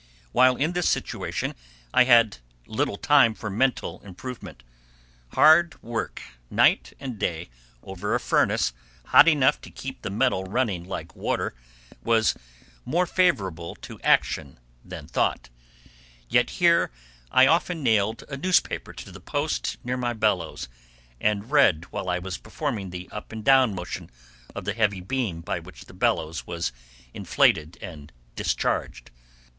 While in this situation I had little time for mental improvement. Hard work, night and day, over a furnace hot enough to keep the metal running like water, was more favorable to action than thought; yet here I often nailed a newspaper to the post near my bellows, and read while I was performing the up and down motion of the heavy beam by which the bellows was inflated and discharged.